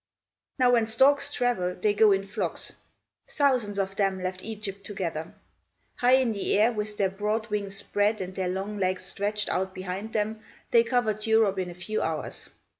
Now when storks travel, they go in flocks. Thousands of them left Egypt together. High in the air, with their broad wings spread and their long legs stretched out behind them, they covered Europe in a few hours.